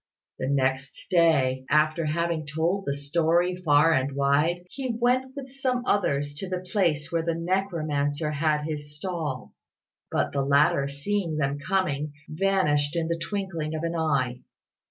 The next day, after having told the story far and wide, he went with some others to the place where the necromancer had his stall; but the latter, seeing them coming, vanished in the twinkling of an eye.